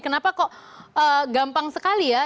kenapa kok gampang sekali ya